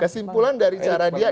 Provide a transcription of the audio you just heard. kesimpulan dari cara dia